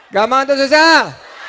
gampang atau susah